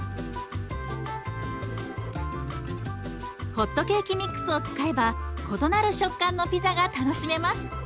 ホットケーキミックスを使えば異なる食感のピザが楽しめます。